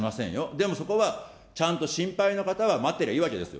でもそこは、ちゃんと心配の方は待ってればいいわけです。